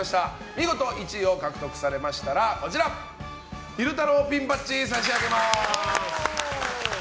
見事１位を獲得されましたらこちら、昼太郎ピンバッジ差し上げます。